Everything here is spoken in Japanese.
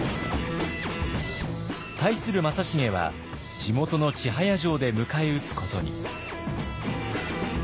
対する正成は地元の千早城で迎え撃つことに。